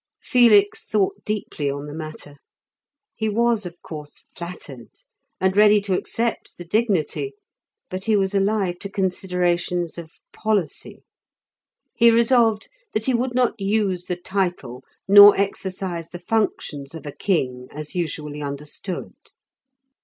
Felix thought deeply on the matter. He was, of course, flattered, and ready to accept the dignity, but he was alive to considerations of policy. He resolved that he would not use the title, nor exercise the functions of a king as usually understood.